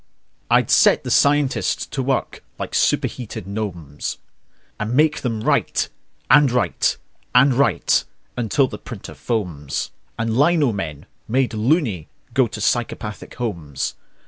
I'd set the scientists to work like superheated gnomes, And make them write and write and write until the printer foams And lino men, made "loony", go to psychopathic homes.